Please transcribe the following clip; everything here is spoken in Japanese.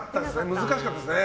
難しかったですかね。